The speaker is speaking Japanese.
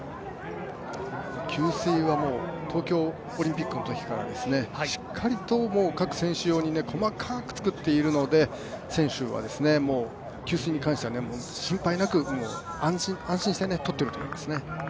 給水は東京オリンピックのときからしっかりと各選手用に細かく作っているので、選手は給水に関してはもう心配なく安心してとってると思いますね。